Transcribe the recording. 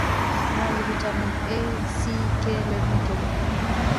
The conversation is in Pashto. انار د ویټامین A، C، K لرونکی دی.